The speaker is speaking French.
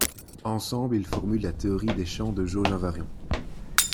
Ensemble, ils formulent la théorie des champs de jauge invariants.